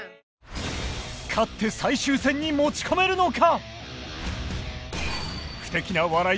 勝って最終戦に持ち込めるのか？